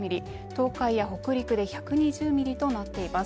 東海や北陸で１２０ミリとなっています。